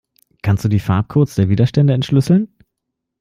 Kannst du die Farbcodes der Widerstände entschlüsseln?